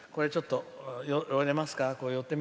寄れますか？